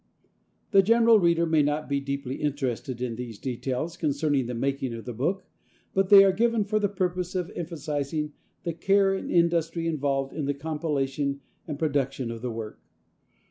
The general reader may not be deeply interested in these details concerning the making of the book, but they are given for the purpose of emphasizing the care and industry involved in the compilation and production of the work.